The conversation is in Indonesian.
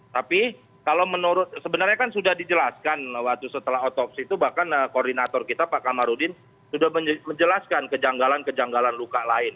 tapi kalau menurut sebenarnya kan sudah dijelaskan waktu setelah otopsi itu bahkan koordinator kita pak kamarudin sudah menjelaskan kejanggalan kejanggalan luka lain